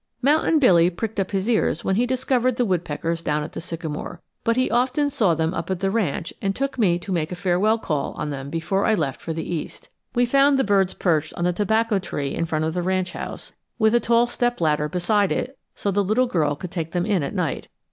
Mountain Billy pricked up his ears when he discovered the woodpeckers down at the sycamore, but he often saw them up at the ranch and took me to make a farewell call on them before I left for the East. We found the birds perched on the tobacco tree in front of the ranch house, with a tall step ladder beside it so the little girl could take them in at night.